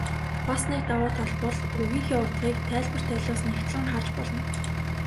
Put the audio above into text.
Бас нэг давуу тал бол үгийнхээ утгыг тайлбар толиос нягтлан харж болно.